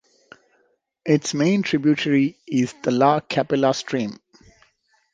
Its main tributary is the La Capilla stream.